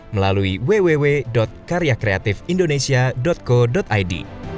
melalui www karyakreativeindonesia co id